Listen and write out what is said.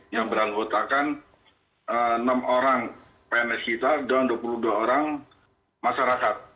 yang beranggotakan enam orang pns kita dan dua puluh dua orang masyarakat